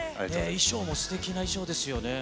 衣装もすてきな衣装ですよね。